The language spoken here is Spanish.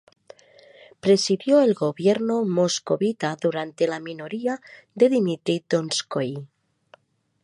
Presidió el gobierno moscovita durante la minoría de Dmitri Donskói.